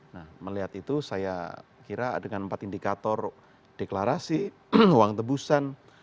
nah melihat itu saya kira dengan empat indikator deklarasi uang tebusan reputasi dan kemampuan